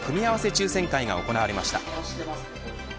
抽選会が行われました。